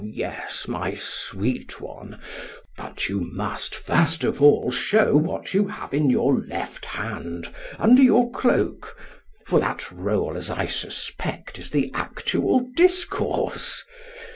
SOCRATES: Yes, my sweet one; but you must first of all show what you have in your left hand under your cloak, for that roll, as I suspect, is the actual discourse.